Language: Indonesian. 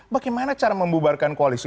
bagaimana cara membubarkan koalisi